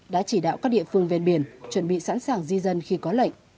đã chỉ đạo các địa phương ven biển chuẩn bị sẵn sàng di dân khi có lệnh